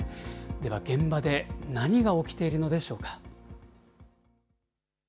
では、現場で何が起きているのでしょうか。